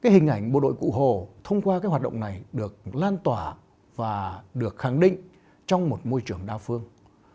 hình ảnh bộ đội cụ hồ thông qua hoạt động này được lan tỏa và được khẳng định trong một môi trường đa phương